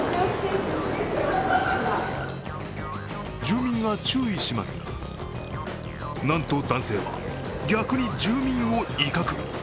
住民が注意しますがなんと男性は、逆に住民を威嚇。